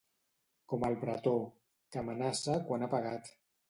Com el Bretó, que amenaça quan ha pegat.